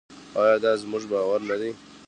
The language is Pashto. آیا دا زموږ باور نه دی؟